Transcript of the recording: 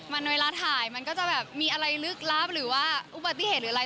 มันเวลาถ่ายมันก็จะแบบมีอะไรลึกลับหรือว่าอุบัติเหตุหรืออะไร